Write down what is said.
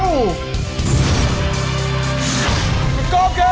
คุณก๊อตเกิ้ล